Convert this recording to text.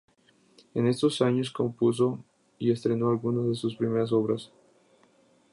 En estos años compuso y estrenó algunas de sus primeras obras.